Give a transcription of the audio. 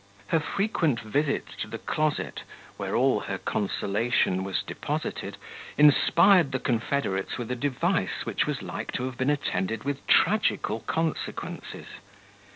Her frequent visits to the closet, where all her consolation was deposited, inspired the confederates with a device which had like to have been attended with tragical consequences.